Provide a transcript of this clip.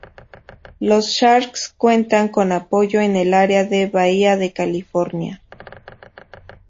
Los Sharks cuentan con apoyo en el área de la Bahía de California.